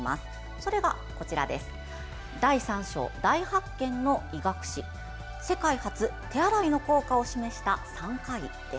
それが、第３章「大発見の医学史」「世界初・手洗いの効果を示した産科医」です。